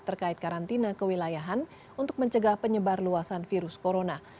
terkait karantina kewilayahan untuk mencegah penyebar luasan virus corona